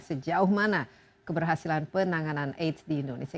sejauh mana keberhasilan penanganan aids di indonesia